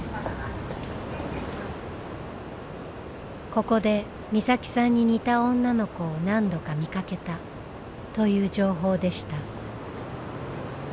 「ここで美咲さんに似た女の子を何度か見かけた」という情報でした。